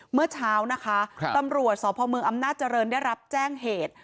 เมื่อเช้านะคะตำรวจสพเมืองอำนาจเจริญได้รับแจ้งเหตุ